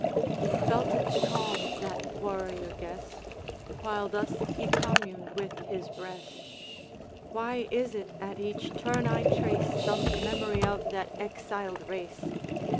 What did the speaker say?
He felt its calm, that warrior guest, While thus he communed with his breast: 'Why is it, at each turn I trace Some memory of that exiled race?